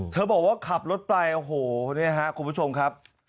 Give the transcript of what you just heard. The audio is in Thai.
เธอบอกว่าขับรถไปโอ้โหนี่ฮะคุณผู้ชมครับ